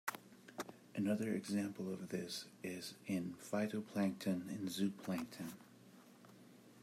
Another example of this is in phytoplankton and zooplankton.